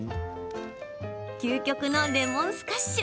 究極のレモンスカッシュ